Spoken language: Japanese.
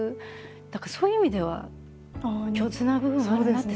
だからそういう意味では共通な部分があるなって。